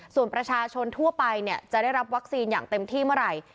ส่วนประชาชนทั่วไปจะได้รับวัคซีนอย่างเต็มที่เมื่อไหร่